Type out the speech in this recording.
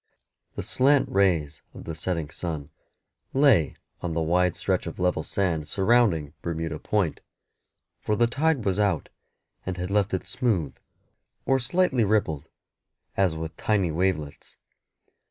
The slant rays of the setting sun lay on the wide stretch of level sand surrounding Bermuda Point, for the tide was out, and had left it smooth, or slightly rippled as with tiny wavelets.